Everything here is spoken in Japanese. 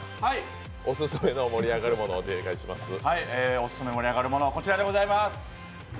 オススメの盛り上がるものは、こちらでございます。